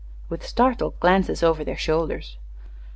with startled glances over their shoulders.